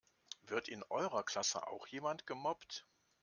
Wird in eurer Klasse auch jemand gemobbt?